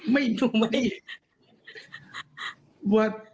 ไม่อยู่ดี